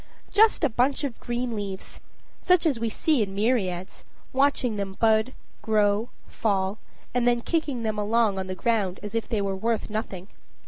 Just a bunch of green leaves such as we see in myriads; watching them bud, grow, fall, and then kicking them along on the ground as if they were worth nothing.